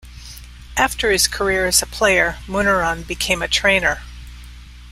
After his career as a player, Munaron became a trainer.